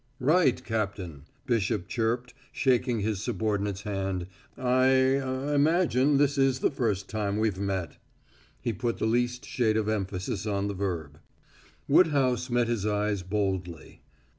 "Right, Captain!" Bishop chirped, shaking his subordinate's hand. "I ah imagine this is the first time we've met." He put the least shade of emphasis on the verb. Woodhouse met his eyes boldly.